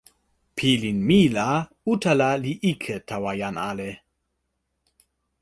pilin mi la utala li ike tawa jan ale.